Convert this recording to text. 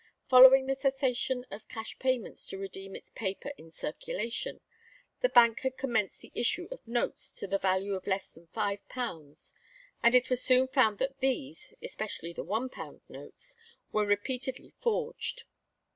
Following the cessation of cash payments to redeem its paper in circulation, the Bank had commenced the issue of notes to the value of less than five pounds, and it was soon found that these, especially the one pound notes, were repeatedly forged.